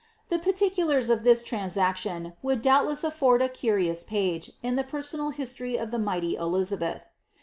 The particulars of this transaction vould doubtless afford a curious page in the personal history of the nighty Elizabeth.